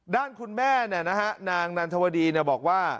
ด้านคุณแม่เนี่ยนะฮะนางนันทวดีเนี่ยบอกว่า